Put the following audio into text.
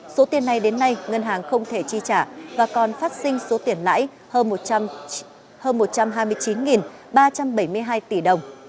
số tiền này đến nay ngân hàng không thể chi trả và còn phát sinh số tiền lãi hơn một trăm hai mươi chín ba trăm bảy mươi hai tỷ đồng